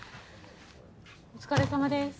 ・お疲れさまです。